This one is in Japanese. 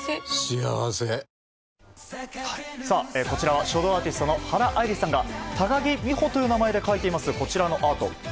こちらは書道アーティストの原愛梨さんが高木美帆という名前で書いています、こちらのアート。